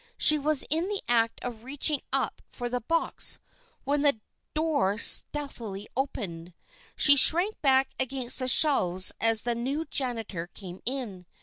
She was in the act of reaching up for the box, when the door stealthily opened. She shrank back against the shelves as the new janitor came in.